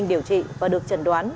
điều trị và được trần đoán